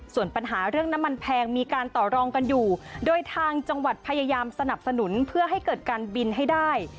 ส่วนปัญหาเรื่องน้ำมันแพงมีการต่อรองกันอยู่โดยทางจังหวัดพยายามสนับสนุนเพื่อให้เกิดการบินให้ได้